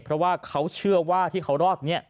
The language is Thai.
เพราะว่าเขาเชื่อว่าที่เขารอดนี้